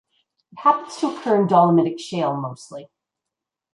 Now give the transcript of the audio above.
It happens to occur in dolomitic shale mostly.